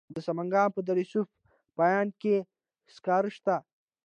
د سمنګان په دره صوف پاین کې سکاره شته.